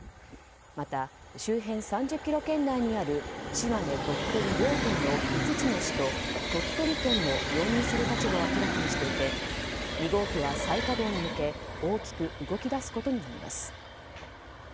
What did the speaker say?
また、周辺３０ｋｍ圏内にある島根・鳥取両県の５つの市と鳥取県も容認する立場を明らかにしていて２号機は再稼働に向け大きく動き出すことになります。